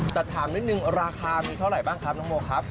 แต่ถามนิดนึงราคามีเท่าไหร่บ้างครับน้องโมครับ